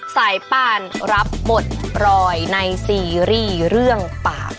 ป่านรับหมดรอยในซีรีส์เรื่องปาก